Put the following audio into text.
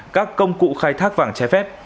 các công cụ khai thác vàng trái phép